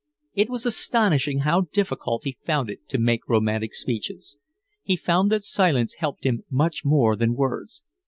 It was astonishing how difficult he found it to make romantic speeches. He found that silence helped him much more than words.